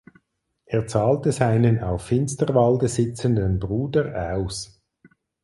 Er zahlte seinen auf Finsterwalde sitzenden Bruder aus.